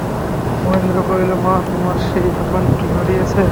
মহেন্দ্র কহিল, মা, তোমার সেই হাঁপানি কি বাড়িয়াছে।